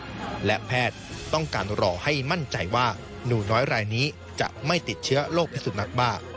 และแพทย์ต้องการรอให้มั่นใจว่าหนูน้อยรายนี้จะไม่ติดเชื้อโรคพิสุนักบ้า